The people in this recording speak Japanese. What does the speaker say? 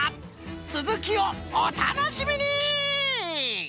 つづきをおたのしみに！